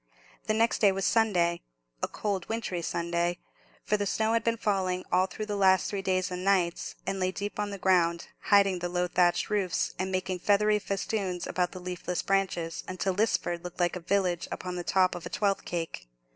The next day was Sunday—a cold wintry Sunday; for the snow had been falling all through the last three days and nights, and lay deep on the ground, hiding the low thatched roofs, and making feathery festoons about the leafless branches, until Lisford looked like a village upon the top of a twelfth cake.